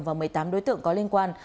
và một mươi tám đối tượng có liên quan